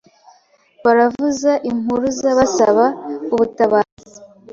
Baravuza impuruza basaba ubutabazi